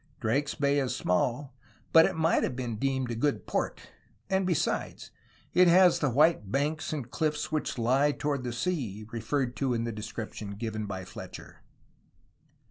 Drake's Bay is small, but it might well have been deemed a good port, and, besides, it has "the white bancks and clifTes, which lie toward the sea," referred to in the description given by Fletcher.